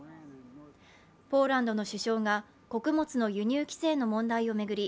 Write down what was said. ポーランドの首相が穀物の輸入規制の問題を巡り